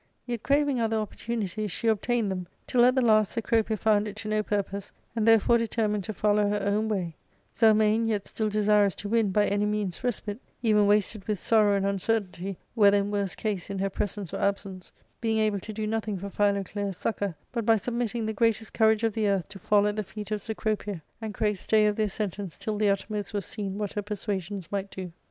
Yet, craving other opportunities, she obtained them, till at the last Cecropia found it to no purpose, and therefore deter mined to follow her own way ; Zelmane yet still desirous to win, by any means, respite, even wasted with sorrow and un certainty whether in worse case in her presence or absence, being able to do nothing for Philoclea*s succour but by sub mitting the greatest courage of the earth to fall at the feet of Cecropia, and crave stay of their sentence till the uttermost was seen what her persuasions might do.